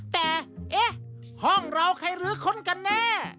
แต่เอ๊ะห้องเราใครรื้อค้นกันแน่